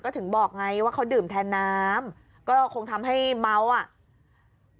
ก็ถึงบอกไงว่าเขาดื่มแทนน้ำก็คงทำให้เมาอ่ะ